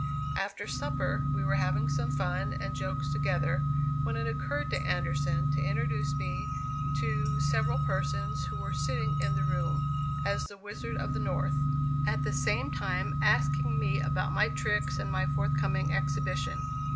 After supper we were having some fun and jokes together, when it occurred to Anderson to introduce me to several persons who were sitting in the room, as the "Wizard of the North," at the same time asking me about my tricks and my forthcoming exhibition.